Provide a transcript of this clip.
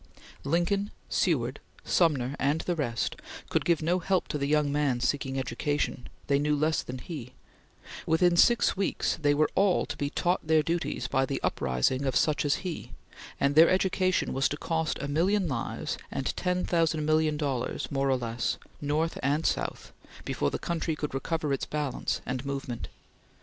Lincoln, Seward, Sumner, and the rest, could give no help to the young man seeking education; they knew less than he; within six weeks they were all to be taught their duties by the uprising of such as he, and their education was to cost a million lives and ten thousand million dollars, more or less, North and South, before the country could recover its balance and movement.